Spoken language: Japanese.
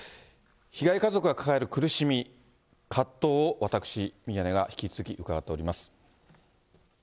被害家族が抱える苦しみ、葛藤を私、宮根が引き続き伺っております。